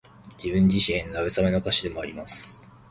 自分自身への慰めの歌詞でもあります。